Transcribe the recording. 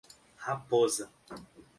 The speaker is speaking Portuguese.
Raposa